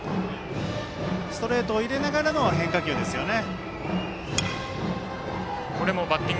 ストレートを入れながらの変化球ですよね。